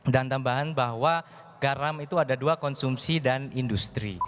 dan tambahan bahwa garam itu ada dua konsumsi dan industri